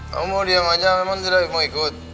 kamu diam aja memang sudah mau ikut